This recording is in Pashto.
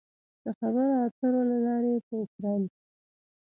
د خبرو اترو له لارې په اوکراین کې